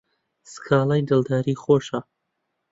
سکاڵای دڵداری خۆشە